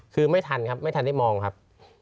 คือไม่ทันครับไม่ทันได้มองครับ